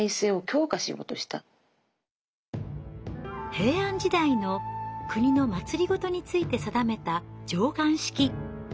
平安時代の国の政について定めた「貞観式」。